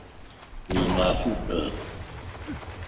Уимафэ шӏу!